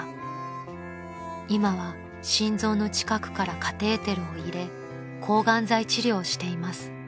［今は心臓の近くからカテーテルを入れ抗がん剤治療をしています］